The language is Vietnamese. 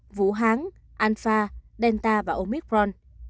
xếp như sau vũ hán alfa delta và omicron